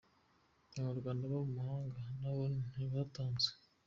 Abanyarwanda baba mu mahanga na bo ntibatanzwe.